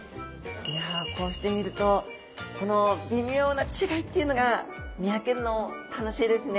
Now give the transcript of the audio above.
いやこうして見るとこの微妙な違いっていうのが見分けるの楽しいですね。